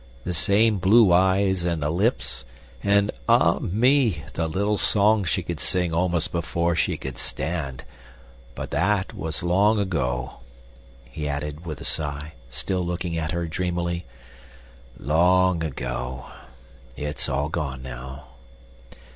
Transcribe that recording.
The same blue eyes and the lips, and ah! me, the little song she could sing almost before she could stand. But that was long ago," he added, with a sigh, still looking at her dreamily. "Long ago; it's all gone now."